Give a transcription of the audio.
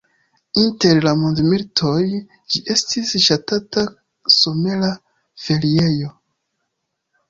Inter la mondmilitoj ĝi estis ŝatata somera feriejo.